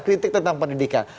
kritik tentang pendidikan